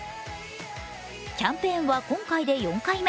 キャンペーンは今回で４回目。